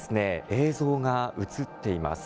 映像が映っています。